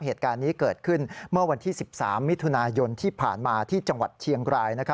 เหตุการณ์นี้เกิดขึ้นเมื่อวันที่๑๓มิถุนายนที่ผ่านมาที่จังหวัดเชียงราย